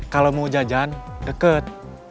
kalau mau jajan deket